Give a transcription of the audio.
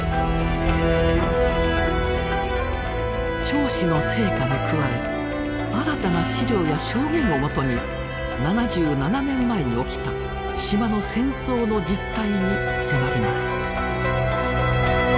町史の成果に加え新たな資料や証言をもとに７７年前に起きた島の戦争の実態に迫ります。